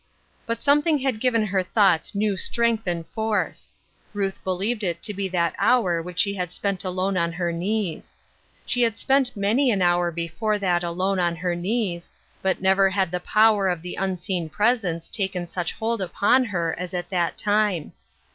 But something had given her thoughts new strength and force. Ruth believed it to be that hour which she had spent alone on her knees. She had spent many an hour before that alone on her knees, but never had the power 306 A Sister Needed. 307 of the unseen presence taken such hold upon her as ai that time.